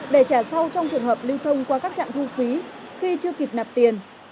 để trả sau trong trường hợp lưu thông qua các trạm thu phí khi chưa kịp nạp tiền